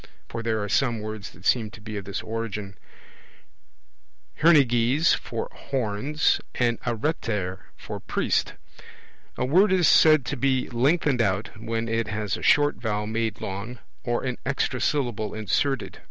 (for there are some words that seem to be of this origin) hernyges for horns, and areter for priest. A word is said to be lengthened out, when it has a short vowel made long, or an extra syllable inserted; e.